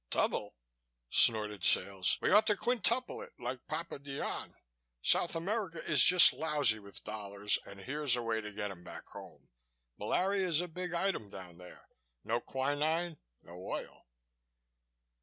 "Double!" snorted Sales. "We ought to quintuple it like Papa Dionne. South America is just lousy with dollars and here's a way to get 'em back home. Malaria's a big item down there. No quinine, no oil."